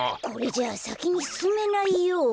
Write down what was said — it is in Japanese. これじゃあさきにすすめないよ。